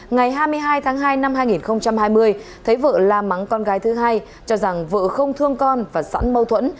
ngày hai mươi hai tháng hai năm hai nghìn hai mươi thấy vợ la mắng con gái thứ hai cho rằng vợ không thương con và sẵn mâu thuẫn